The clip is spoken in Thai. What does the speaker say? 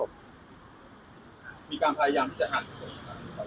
มีการพยายามที่จะหัก